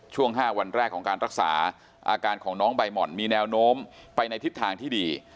ช่วง๕วันแรกของการรักษาอาการของน้องใบหม่อนมีแนวโน้มไปในทิศทางที่ดี